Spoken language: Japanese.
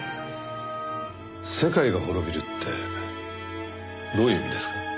世界が滅びるってどういう意味ですか？